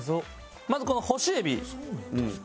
まずこの干しエビですね。